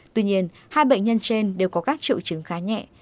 tuy nhiên hai bệnh nhân trên đều có các triệu chứng khá nhẹ